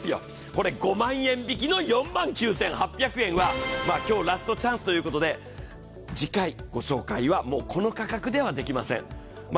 これ、５万円引きの４万９８００円は今日ラストチャンスということで次回、ご紹介は、もうこの価格ではできません。